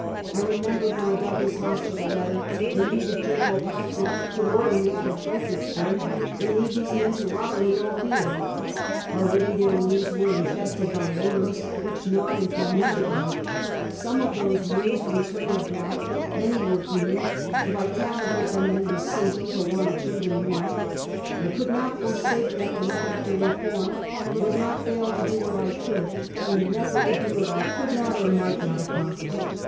I remembered my Douglas Hospital letter, and knew that Gen. Patrick could order me out of Fredericks burg, and leave these men to rot in the old theater. Already their wounds were infested by worms, which gnawed and tormented tliem; some of those wounds were turning black, many were green ; the vitality of the men was sinking for want of food and warmth. I could not forsake them to look after reform ; would not fail to do what I could, in an efibrt to do what I could not or might not accomplish.